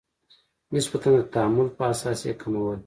نسبتا د تحمل په اساس یې کمول.